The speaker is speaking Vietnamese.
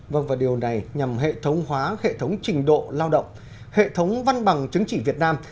vâng và điều này nhằm hệ thống hóa hệ thống trình độ lao động hệ thống văn bằng chứng chỉ việt nam